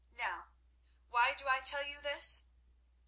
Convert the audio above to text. Now, why do I tell you this?